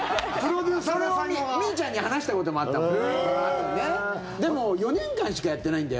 ミーちゃんに話したこともあったもん。